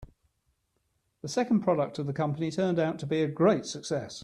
The second product of the company turned out to be a great success.